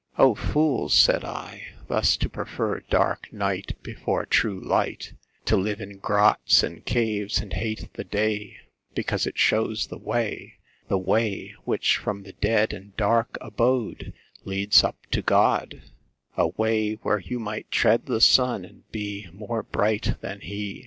O fools (said I,) thus to prefer dark night Before true light, To live in grots, and caves, and hate the day Because it shows the way, The way which from the dead and dark abode Leads up to God, A way where you might tread the Sun, and be More bright than he.